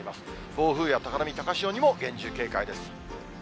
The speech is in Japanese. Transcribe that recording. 暴風や高波、高潮にも厳重警戒です。